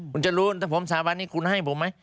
คุณจรูนถ้าผมสาบันนี้คุณให้ผมไหม